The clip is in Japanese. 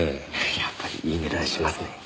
やっぱりいい値段しますね。